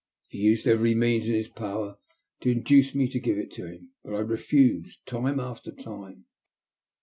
'' He used every means in his power to induce me to give it to him, but I refused time after time.